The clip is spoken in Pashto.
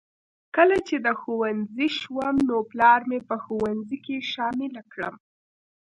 کله چې د ښوونځي شوم نو پلار مې په ښوونځي کې شامله کړم